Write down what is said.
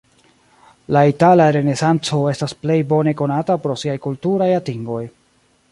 La Itala Renesanco estas plej bone konata pro siaj kulturaj atingoj.